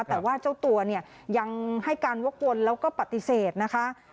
แต่ว่าเจ้าตัวเนี่ยยังให้การวกวนแล้วก็ปฏิเสธนะคะ